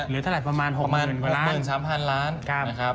เหลือเท่าไหร่ประมาณ๖นึงกว่าล้านนะครับประมาณ๑๓๐๐๐ล้านนะครับ